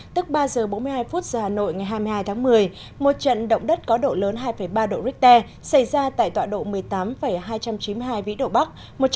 tức ba giờ bốn mươi hai phút giờ hà nội ngày hai mươi hai tháng một mươi một trận động đất có độ lớn hai ba độ richter xảy ra tại tọa độ một mươi tám hai trăm chín mươi hai vĩ độ bắc